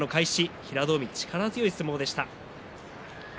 平戸海、力強い相撲でした。